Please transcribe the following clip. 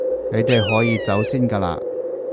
你哋可以走先㗎喇